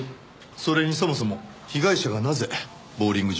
それにそもそも被害者がなぜボウリング場に？